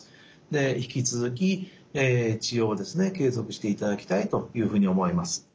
で引き続き治療をですね継続していただきたいというふうに思います。